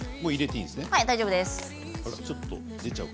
はい、大丈夫です。